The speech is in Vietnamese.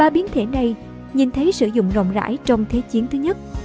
ba biến thể này nhìn thấy sử dụng rộng rãi trong thế chiến thứ nhất